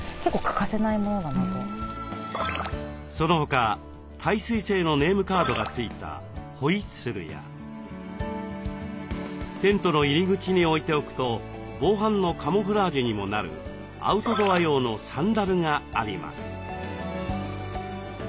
その他耐水性のネームカードが付いたホイッスルやテントの入り口に置いておくと防犯のカモフラージュにもなるアウトドア用のサンダルがあります。